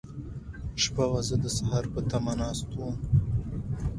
شپه وه، زه د سهار په تمه ناست وم.